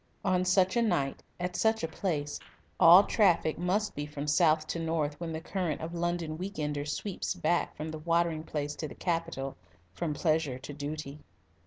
On such a night, at such a place, all traffic must be from south to north when the current of London week enders sweeps back from the watering place to the capital from pleasure to duty.